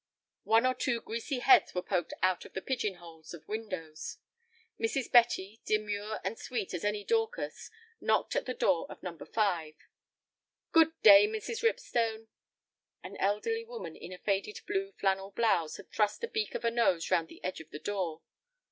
One or two greasy heads were poked out of the pigeon holes of windows. Mrs. Betty, demure and sweet as any Dorcas, knocked at the door of No. 5. "Good day, Mrs. Ripstone." An elderly woman in a faded blue flannel blouse had thrust a beak of a nose round the edge of the door.